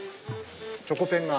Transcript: チョコペンが。